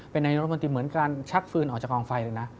เป็นนิวสมติเหมือนการชักฟื้นออกจากกองไฟเลยนะ